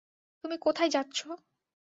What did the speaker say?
তুমি কোথায় যাচ্ছো?